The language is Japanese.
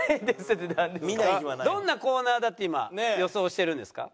どんなコーナーだって今予想してるんですか？